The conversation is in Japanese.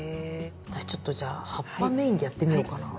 私ちょっとじゃあ葉っぱメインでやってみようかな。